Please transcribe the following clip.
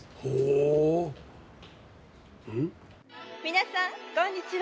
「皆さんこんにちは」